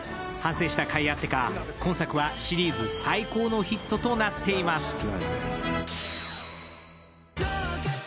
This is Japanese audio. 反省した甲斐あってか、今作はシリーズ最高のヒットとなっています。